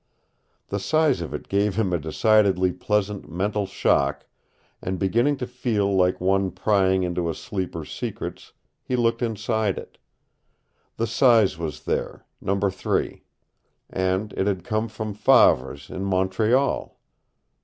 The size of it gave him a decidedly pleasant mental shock, and, beginning to feel like one prying into a sleeper's secrets, he looked inside it. The size was there number three. And it had come from Favre's in Montreal!